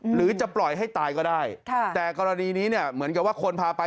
หรือจะปล่อยให้ตายก็ได้แต่กรณีนี้เนี่ยเหมือนกับว่าคนพาไป